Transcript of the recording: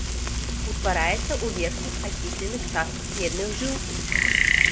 Утвараецца ў верхніх акісленых частках медных жыл.